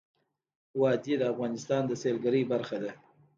وادي د افغانستان د سیلګرۍ برخه ده.